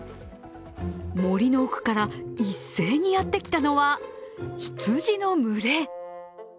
森の奥から一斉にやってきたのは、羊の群れ。